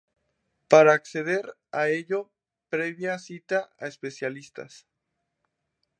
Para acceder a ellos previa cita a especialistas.